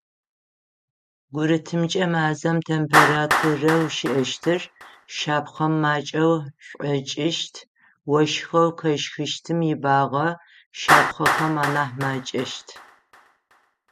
Гурытымкӏэ мазэм температурэу щыӏэщтыр шапхъэм макӏэу шӏокӏыщт, ощхэу къещхыщтым ибагъэ шапхъэхэм анахь мэкӏэщт.